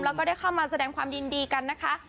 แล้วก็ได้เข้ามาแสดงความถือว่ารีคมค่ะ